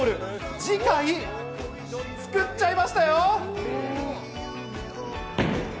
次回、作っちゃいましたよ！